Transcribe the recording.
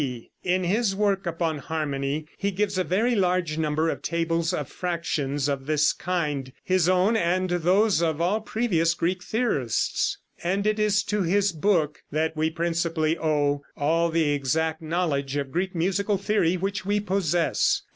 D. In his work upon harmony he gives a very large number of tables of fractions of this kind his own and those of all previous Greek theorists, and it is to his book that we principally owe all the exact knowledge of Greek musical theory which we possess.